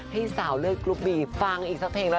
ไม่เชื่อไปฟังกันหน่อยค่ะ